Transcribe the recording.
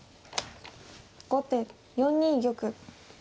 後手４二玉。